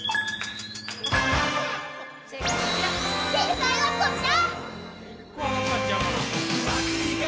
正解はこちら！